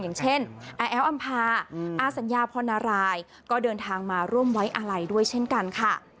อย่างเช่นอาแอ๋วอำภาอาสัญญาพรณรายก็เดินทางมาร่วมไว้อะไรด้วยเช่นกันค่ะ